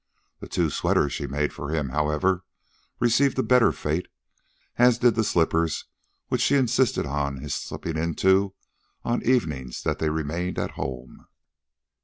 The two sweaters she made for him, however, received a better fate, as did the slippers which she insisted on his slipping into, on the evenings they remained at home.